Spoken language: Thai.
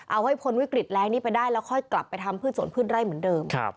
เอาให้พ้นวิกฤตแรงนี้ไปได้แล้วค่อยกลับไปทำพืชสวนพืชไร่เหมือนเดิม